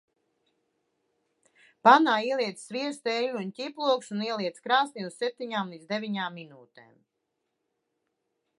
Pannā ieliec sviestu, eļļu un ķiplokus un ieliec krāsnī uz septiņām līdz deviņām minūtēm.